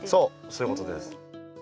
そういうことです。